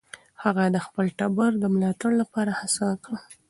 هغه د خپل ټبر د ملاتړ لپاره هڅه وکړه.